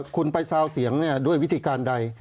คุณไปซาวเสียงด้วยวิธีการใด